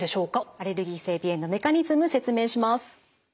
アレルギー性鼻炎のメカニズム説明します。